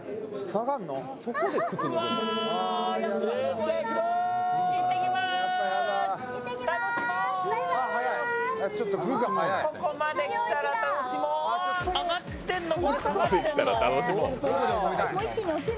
下がってるの？